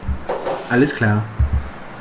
Alles klar!